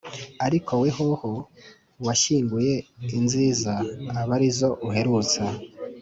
ariko wehoho washyinguye inziza aba ari zo uherutsa.”